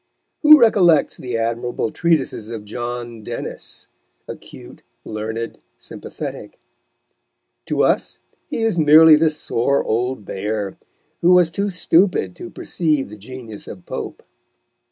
Who recollects the admirable treatises of John Dennis, acute, learned, sympathetic? To us he is merely the sore old bear, who was too stupid to perceive the genius of Pope.